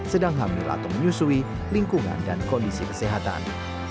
sedang hamil atau menyusui lingkungan dan kondisi kesehatan